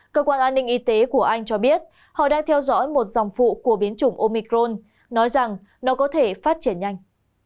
cơ quan an ninh y tế của anh cho biết họ đang theo dõi một dòng phụ của biến chủng omicron nói rằng nó có thể phát triển nhanh